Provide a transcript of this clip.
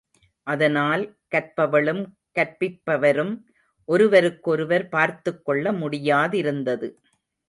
அதனால் கற்பவளும் கற்பிப் பவரும் ஒருவருக்கொருவர் பார்த்துக்கொள்ள முடியாதிருந்தது.